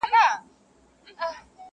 پټول به یې د ونو شاته غاړه!.